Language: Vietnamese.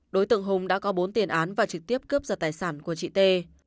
đối tượng hùng đã có bốn tiền án và trực tiếp cướp giật tài sản của chị t